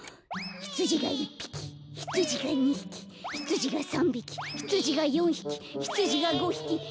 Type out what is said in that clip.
ひつじが１ぴきひつじが２ひきひつじが３びきひつじが４ひきひつじが５ひきひつじが６ぴき。